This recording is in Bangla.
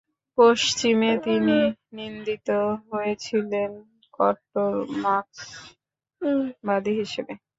পশ্চিমে তিনি নিন্দিত হয়েছিলেন কট্টর মার্ক্সবাদী হিসেবে।